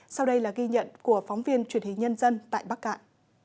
sau đây là ghi nhận của phóng viên truyền hình nhân dân tại bắc cạn